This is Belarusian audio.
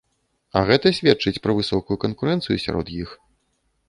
А гэта сведчыць пра высокую канкурэнцыю сярод іх.